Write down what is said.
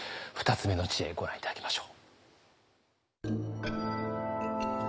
２つ目の知恵ご覧頂きましょう。